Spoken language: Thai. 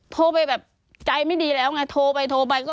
โทรไปแบบใจไม่ดีแล้วไงโทรไปโทรไปก็